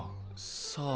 さあ？